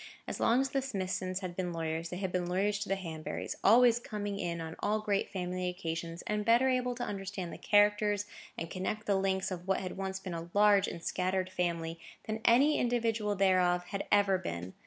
As long as the Smithsons had been lawyers, they had been lawyers to the Hanburys; always coming in on all great family occasions, and better able to understand the characters, and connect the links of what had once been a large and scattered family, than any individual thereof had ever been.